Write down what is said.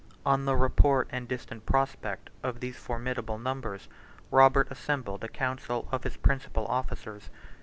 On the report and distant prospect of these formidable numbers, Robert assembled a council of his principal officers.